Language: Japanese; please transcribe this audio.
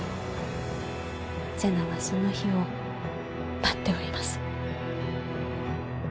瀬名はその日を待っております。